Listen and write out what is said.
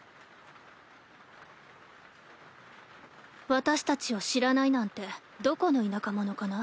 「わたしたちを知らないなんてどこの田舎者かな？」。